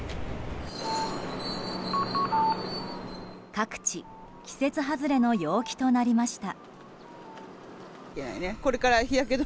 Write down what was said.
各地季節外れの陽気となりました。